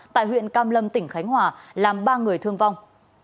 tại huyện cam lâm tỉnh khánh hòa làm ba người thương vong